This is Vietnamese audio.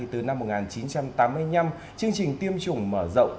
từ năm một nghìn chín trăm tám mươi năm chương trình tiêm chủng mở rộng